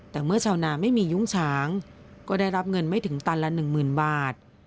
แต่เมื่อชาวนาไม่มียุ้งฉางก็ได้รับเงินไม่ถึงตันละ๑๐๐๐บาท